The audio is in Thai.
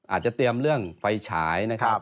อาจจะเตรียมเรื่องไฟฉายนะครับ